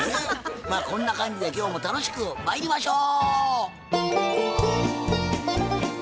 まあこんな感じで今日も楽しくまいりましょう！